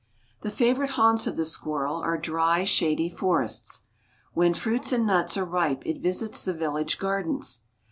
The favorite haunts of the squirrel are dry, shady forests. When fruits and nuts are ripe it visits the village gardens.